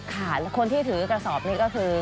ค่ะแล้วคนที่ถือกระสอบนี้ก็คือ